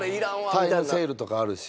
タイムセールとかあるし。